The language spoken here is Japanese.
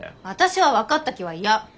私は分かった気は嫌！